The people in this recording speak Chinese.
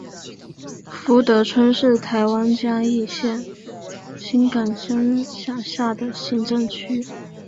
福德村是台湾嘉义县新港乡辖下的行政区。